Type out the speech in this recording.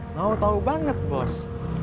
mau tahu banget bos